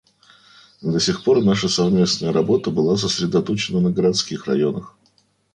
До сих пор наша совместная работа была сосредоточена на городских районах.